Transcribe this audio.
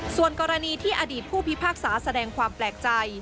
ส่วนกรณีที่อดีตผู้พิพากษาแสดงความแปลกใจ